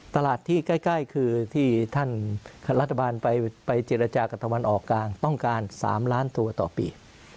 ตลาดที่ใกล้คือที่ท่านรัฐบาลไปเจรจากับตะวันออกกลางต้องการ๓ล้านตัวต่อปี